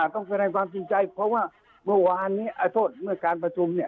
ต้องแสดงความจริงใจเพราะว่าเมื่อวานนี้โทษเมื่อการประชุมเนี่ย